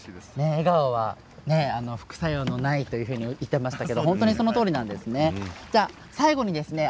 笑顔は副作用のないと言ってましたけど本当にそのとおりなんですね。